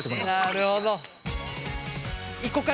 なるほど。